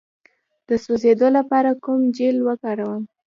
د سوځیدو لپاره کوم جیل وکاروم؟